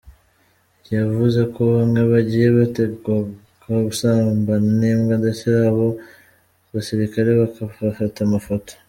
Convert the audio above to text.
Yavuze ko “bamwe bagiye bategekwa gusambana n’imbwa ndetse abo basirikare bakabafata amafoto.”